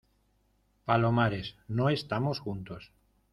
palomares, no estamos juntos.